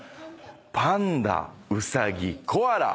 パンダウサギコアラ。